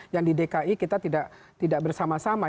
yang di dki kita tidak bersama sama